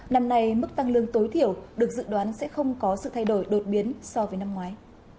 năm nay mức tăng lương tối thiểu được dự đoán sẽ không có sự thay đổi đột biến so với năm ngoái